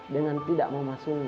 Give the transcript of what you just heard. dengan tidak memasungnya